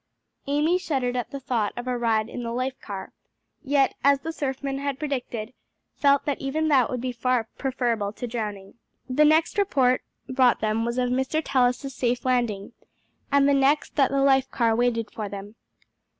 Amy shuddered at the thought of a ride in the life car, yet, as the surfman had predicted, felt that even that would be far preferable to drowning. The next report brought them was of Mr. Tallis's safe landing, and the next that the life car waited for them.